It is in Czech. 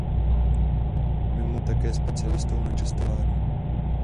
Mimo to je také specialistou na čokoládu.